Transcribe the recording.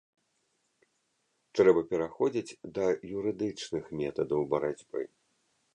Трэба пераходзіць да юрыдычных метадаў барацьбы.